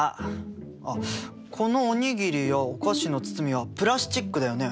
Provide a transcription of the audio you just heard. あこのお握りやお菓子の包みはプラスチックだよね。